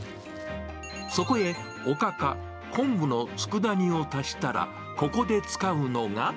そこへおかか、昆布の佃煮を足したら、ここで使うのが。